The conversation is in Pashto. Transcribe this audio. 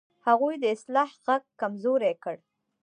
هغوی د اصلاح غږ کمزوری کړ.